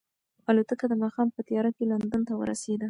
الوتکه د ماښام په تیاره کې لندن ته ورسېده.